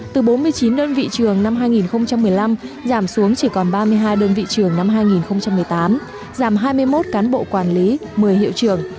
từ bốn mươi chín đơn vị trường năm hai nghìn một mươi năm giảm xuống chỉ còn ba mươi hai đơn vị trường năm hai nghìn một mươi tám giảm hai mươi một cán bộ quản lý một mươi hiệu trường